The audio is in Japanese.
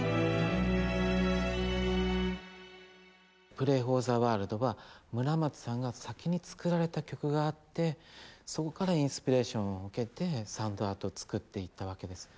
「ＰｒａｙｆｏｒｔｈｅＷｏｒｌｄ」は村松さんが先に作られた曲があってそこからインスピレーションを受けてサンドアートを作っていったわけです。